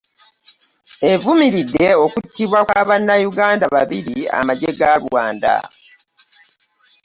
Evumiridde okuttibwa kwa bannayuganda babiri amagye ga Rwanda